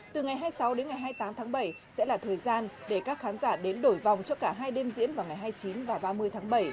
từ ngày hai mươi sáu đến ngày hai mươi tám tháng bảy sẽ là thời gian để các khán giả đến đổi vòng cho cả hai đêm diễn vào ngày hai mươi chín và ba mươi tháng bảy